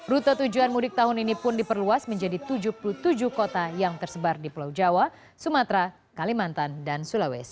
rute tujuan mudik tahun ini pun diperluas menjadi tujuh puluh tujuh kota yang tersebar di pulau jawa sumatera kalimantan dan sulawesi